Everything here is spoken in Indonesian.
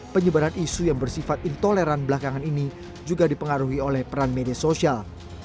penyebaran isu yang bersifat intoleran belakangan ini juga dipengaruhi oleh peran media sosial